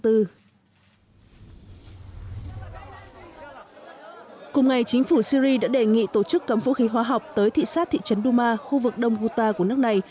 cùng ngày chính phủ syri đã đề nghị tổ chức cấm vũ khí hóa học tới thị xác thị trấn douma khu vực đông ghouta của nước này